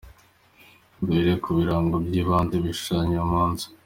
Duhere ku birango by’ibanze bishushanya uyu munsi.